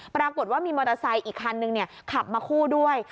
ปรากฏว่ามีมอเตอร์ไซค์อีกคันนึงขับมาคู่ด้วย